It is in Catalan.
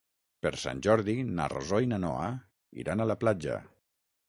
Per Sant Jordi na Rosó i na Noa iran a la platja.